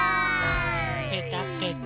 ぺたぺた。